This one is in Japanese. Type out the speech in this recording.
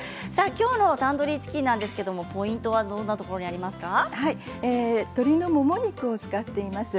きょうのタンドリーチキンなんですけれども、ポイントは鶏のもも肉を使っています。